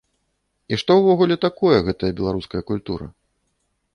І што ўвогуле такое гэтая беларуская культура.